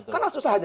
kan susah aja